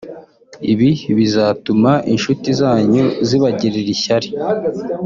Ibi bizatuma inshuti zanyu zibagirira ishyari